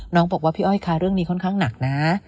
น้องบอกว่าพี่อ้อยคะเรื่องนี้ค่อนข้างหนักนะ